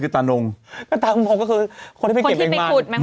ตานงก็คือคนที่ไปเก็บเองมาก